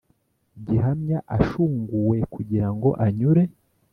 Gihamya ashunguwe kugira ngo anyure